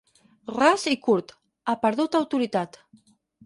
Ras i curt, ha perdut autoritat.